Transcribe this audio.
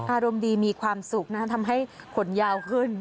อารมณ์ดีมีความสุขนะทำให้ขนยาวขึ้น